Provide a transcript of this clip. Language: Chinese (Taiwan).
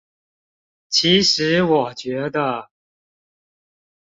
其實我覺得